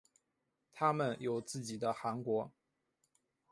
他们有自己的汗国。